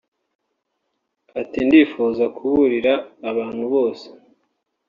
Ati “Ndifuza kandi kuburira abantu bose